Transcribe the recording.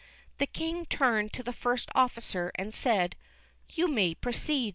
The King turned to the First Officer and said, " You may proceed."